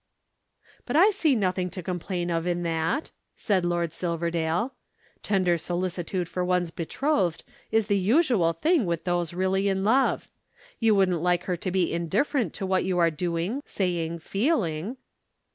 "But I see nothing to complain of in that!" said Lord Silverdale. "Tender solicitude for one's betrothed is the usual thing with those really in love. You wouldn't like her to be indifferent to what you were doing, saying, feeling?"